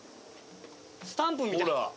スタンプみたい。